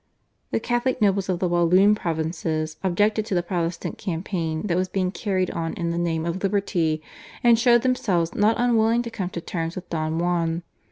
The Catholic nobles of the Walloon provinces objected to the Protestant campaign that was being carried on in the name of liberty, and showed themselves not unwilling to come to terms with Don Juan.